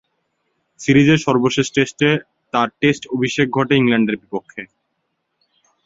সিরিজের সর্বশেষ টেস্টে তার টেস্ট অভিষেক ঘটে ইংল্যান্ডের বিপক্ষে।